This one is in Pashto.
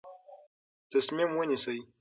تصمیم ونیسئ.